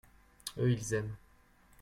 eux, ils aiment.